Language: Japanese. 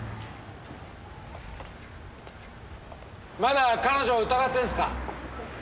まだ彼女を疑ってるんですか？